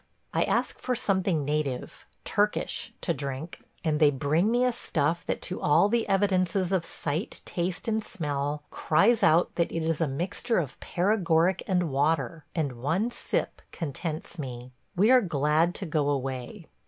I ask for something native – Turkish – to drink, and they bring me a stuff that to all the evidences of sight, taste, and smell cries out that it is a mixture of paregoric and water, and one sip contents me. We are glad to go away.